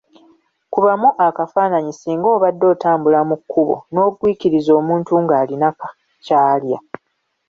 Kubamu akafaananyi singa obadde otambula mu kkubo n'ogwikiriza omuntu ng'alina ky'alya!